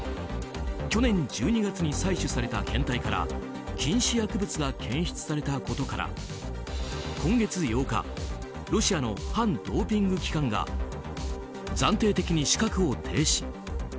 去年１２月に採取された検体から禁止薬物が検出されたことから今月８日ロシアの反ドーピング機関が暫定的に資格を停止。